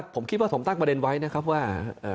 ผมคิดว่าผมตั้งประเด็นไว้นะครับว่า